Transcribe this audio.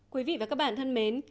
quý vị và các bạn thân mến